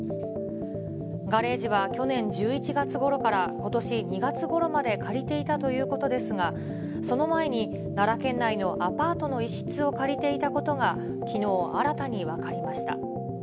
ガレージは去年１１月ごろからことし２月ごろまで借りていたということですが、その前に奈良県内のアパートの一室を借りていたことがきのう、新たに分かりました。